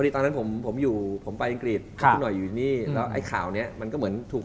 ถูกออกมา